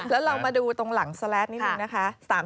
แล้วเรามาดูตรงหลังสแลตนิดนึงนะคะ